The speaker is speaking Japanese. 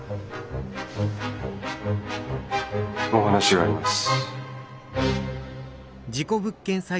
お話があります。